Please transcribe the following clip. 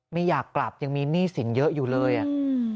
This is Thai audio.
ไม่อยากกลับยังมีหนี้สินเยอะอยู่เลยอ่ะอืม